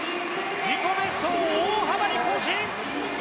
自己ベストを大幅に更新。